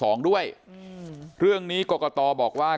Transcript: ตั้งด้วยเรื่องนี้กลัวกตอบอกว่า